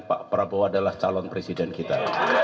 pak prabowo adalah calon presiden kita